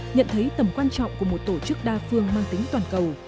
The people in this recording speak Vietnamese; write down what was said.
nhận thấy tầm quan trọng của một tổ chức đa phương mang tính toàn cầu